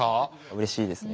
うれしいですね。